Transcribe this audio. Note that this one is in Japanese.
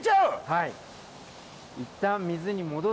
はい。